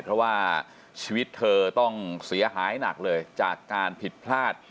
เพราะว่าชีวิตเธอต้องเสียหายหนักเลยจากการผิดพลาด